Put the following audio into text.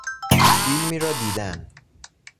فیلمی را دیدن